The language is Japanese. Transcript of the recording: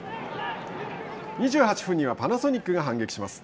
２８分にはパナソニックが反撃します。